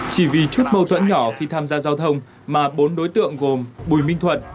chỉ vì chút mâu thuẫn nhỏ khi tham gia giao thông mà bốn đối tượng gồm bùi minh thuận